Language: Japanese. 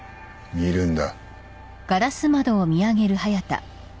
見るんだ。